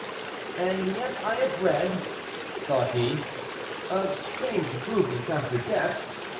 "And yet I have read," thought he, "of strange movements after death.